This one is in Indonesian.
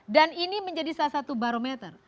dan ini menjadi salah satu barometer